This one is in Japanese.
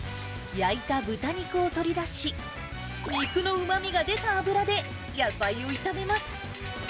焼いた豚肉を取り出し、肉のうまみが出た油で野菜を炒めます。